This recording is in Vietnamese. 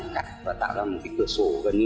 cắt và tạo ra một cái cửa sổ gần